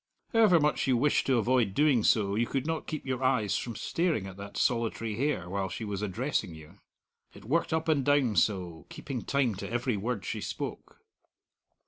However much you wished to avoid doing so, you could not keep your eyes from staring at that solitary hair while she was addressing you. It worked up and down so, keeping time to every word she spoke.